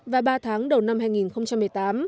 và ba tháng đầu năm hai nghìn một mươi tám